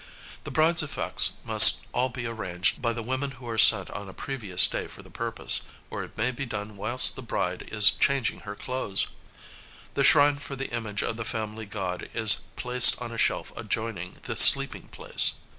The bride's effects must all be arranged by the women who are sent on a previous day for the purpose, or it may be done whilst the bride is changing her clothes. The shrine for the image of the family god is placed on a shelf adjoining the sleeping place.